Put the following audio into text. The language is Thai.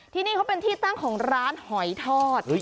ที่นี่เขาเป็นที่ตั้งของร้านหอยทอด